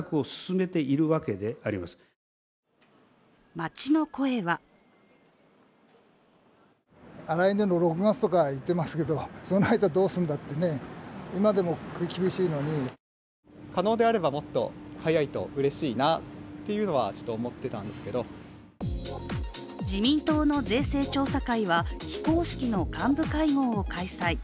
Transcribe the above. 街の声は自民党の税制調査会は、非公式の幹部会合を開催。